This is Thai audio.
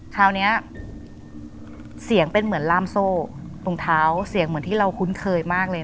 คราวนี้เสียงเป็นเหมือนล่ามโซ่ตรงเท้าเสียงเหมือนที่เราคุ้นเคยมากเลย